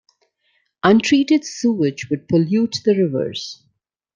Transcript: Untreated sewage would pollute the rivers.